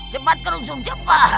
cepat kerungsung cepat